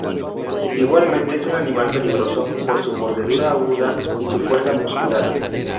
Igualmente es un animal peligroso, por su mordedura aguda y su fuerza muscular.